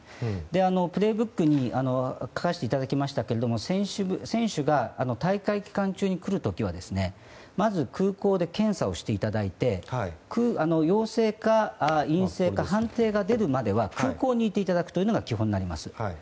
「プレイブック」に書かせていただきましたが選手が大会期間中に来る時はまず空港で検査していただいて陽性か陰性か判定が出るまでは空港にいていただくというのが基本になります。